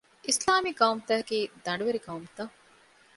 އިސްލާމީ ޤައުމުތަކަކީ ދަނޑުވެރި ޤައުމުތައް